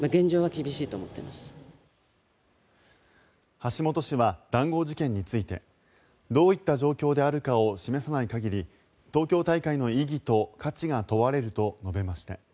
橋本氏は談合事件についてどういった状況であるかを示さない限り東京大会の意義と価値が問われると述べました。